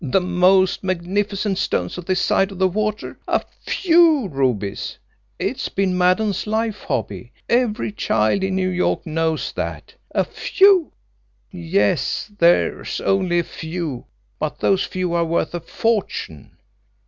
"The most magnificent stones on this side of the water a FEW rubies! It's been Maddon's life hobby. Every child in New York knows that! A few yes, there's only a few but those few are worth a fortune.